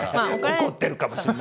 怒ってるかもしんないよ。